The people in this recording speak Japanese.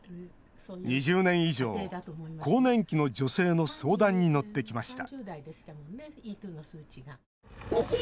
２０年以上、更年期の女性の相談に乗ってきました